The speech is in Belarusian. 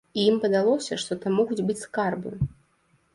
І ім падалося, што там могуць быць скарбы.